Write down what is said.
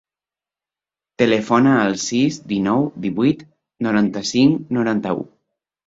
Telefona al sis, dinou, divuit, noranta-cinc, noranta-u.